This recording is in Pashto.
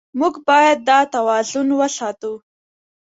موږ باید دا توازن وساتو.